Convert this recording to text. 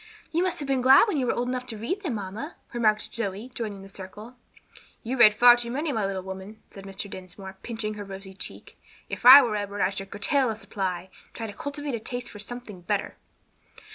"You must have been glad when you were old enough to read them, mamma," remarked Zoe, joining the circle. "You read far too many, my little woman," said Mr. Dinsmore, pinching her rosy cheek. "If I were Edward, I should curtail the supply, and try to cultivate a taste for something better."